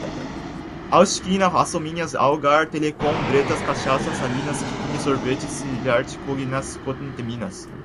Alcicla, Açominas, Algar Telecom, Bretas, Cachaça Salinas, Chiquinho Sorvetes, Cineart, Cogna, Coteminas